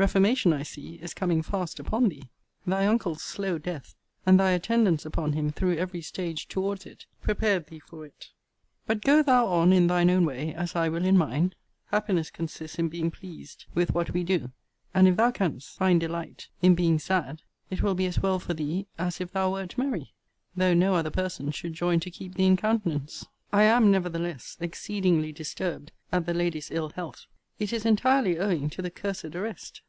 Reformation, I see, is coming fast upon thee. Thy uncle's slow death, and thy attendance upon him through every stage towards it, prepared thee for it. But go thou on in thine own way, as I will in mine. Happiness consists in being pleased with what we do: and if thou canst find delight in being sad, it will be as well for thee as if thou wert merry, though no other person should join to keep thee in countenance. I am, nevertheless, exceedingly disturbed at the lady's ill health. It is entirely owing to the cursed arrest.